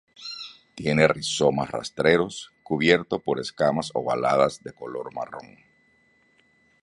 Tiene rizomas rastreros, cubiertos por escamas ovaladas de color marrón.